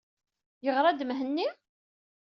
Yeɣra-d Mhenni?